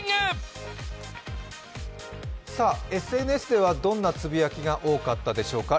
ＳＮＳではどんなつぶやきが多かったでしょうか。